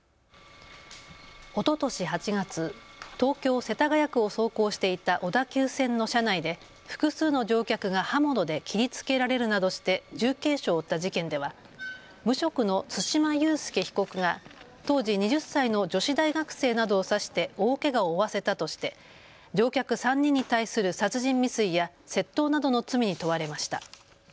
おととし８月、東京世田谷区を走行していた小田急線の車内で複数の乗客が刃物で切りつけられるなどして重軽傷を負った事件では無職の對馬悠介被告が当時２０歳の女子大学生などを刺して大けがを負わせたとして乗客３人に対する殺人未遂や窃盗などの罪に問われました。